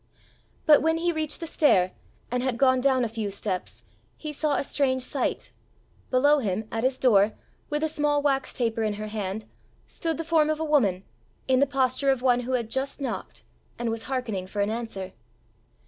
But when he reached the stair, and had gone down a few steps, he saw a strange sight: below him, at his door, with a small wax taper in her hand, stood the form of a woman, in the posture of one who had just knocked, and was hearkening for an answer.